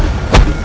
kau tidak tahu